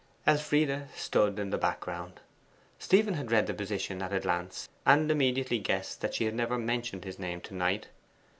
Elfride stood in the background. Stephen had read the position at a glance, and immediately guessed that she had never mentioned his name to Knight.